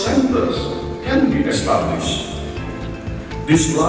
dan pusat komersial bisa dikeluarkan